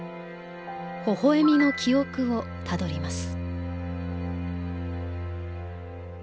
ほほえみの記憶をたどります。